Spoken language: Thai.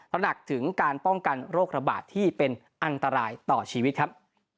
น้ำหนักถึงการป้องกันโรคระบาดที่เป็นอันตรายต่อชีวิตครับ